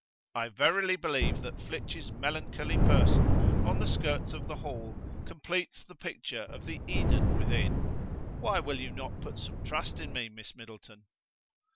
I verily believe that Flitch's melancholy person on the skirts of the Hall completes the picture of the Eden within. Why will you not put some trust in me, Miss Middleton?"